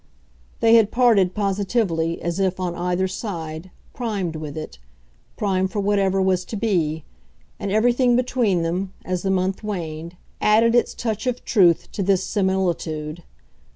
They had parted, positively, as if, on either side, primed with it primed for whatever was to be; and everything between them, as the month waned, added its touch of truth to this similitude.